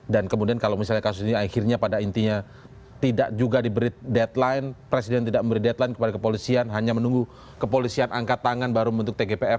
dan kemudian kalau misalnya kasus ini akhirnya pada intinya tidak juga diberi deadline presiden tidak memberi deadline kepada kepolisian hanya menunggu kepolisian angkat tangan baru membentuk tgpf